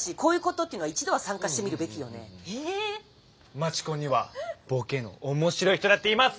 街コンにはボケの面白い人だっています！